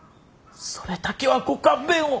それだけはご勘弁を。